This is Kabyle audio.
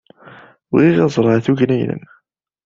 Bɣiɣ ad ẓreɣ tugna-nnem.